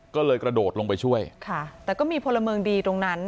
ก็เลยกระโดดลงไปช่วยค่ะแต่ก็มีพลเมืองดีตรงนั้น